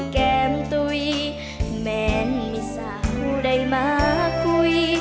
แก้มตุ๋ยแมนมีสาวได้มาคุย